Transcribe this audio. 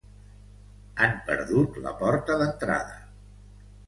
Han perdut la porta d'entrada.